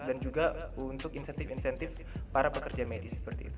dan juga untuk insentif insentif para pekerja medis seperti itu